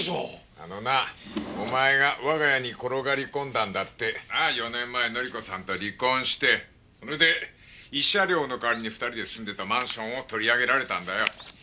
あのなお前が我が家に転がり込んだのだって４年前記子さんと離婚してそれで慰謝料の代わりに２人で住んでたマンションを取り上げられたんだよ。